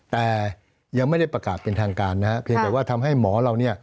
แต่ยังไม่ได้ประกาศเป็นทางการนะฮะเพียงแต่ว่าทำให้หมอเราเนี่ย